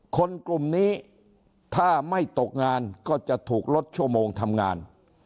คนกลุ่มนี้ถ้าไม่ตกงานก็จะถูกลดชั่วโมงทำงาน